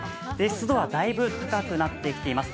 湿度はだいぶ高くなってきています。